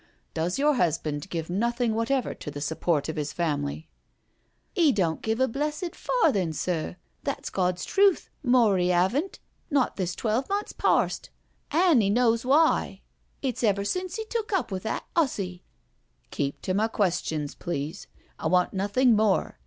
Does your husband give nothing whatever to the sup port of his family?" "'£ don' give a blessed farthin', sir — that's Gawd's truth, mor' 'e 'aven't — not this twelve months parst — an' — 'e knows why. It's ever since he took up with that 'ussie. •.."" Keep to my questions, please. I want nothing more.